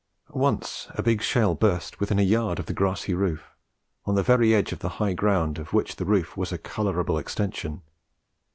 Once a big shell burst within a yard of the grassy roof, on the very edge of the high ground of which the roof was a colourable extension.